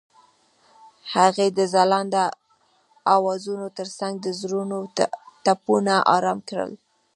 هغې د ځلانده اوازونو ترڅنګ د زړونو ټپونه آرام کړل.